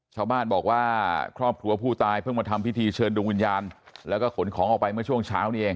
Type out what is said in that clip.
ชาวบ้านบอกว่าครอบครัวผู้ตายเพิ่งมาทำพิธีเชิญดวงวิญญาณแล้วก็ขนของออกไปเมื่อช่วงเช้านี้เอง